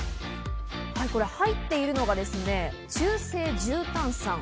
これ、入っているのが中性重炭酸。